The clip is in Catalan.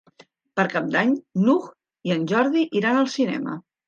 Per Cap d'Any n'Hug i en Jordi iran al cinema.